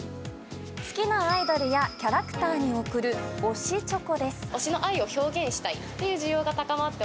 好きなアイドルやキャラクターに贈る推しチョコです。